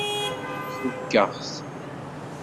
Fukeɣ-t.